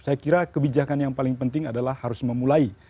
saya kira kebijakan yang paling penting adalah harus memulai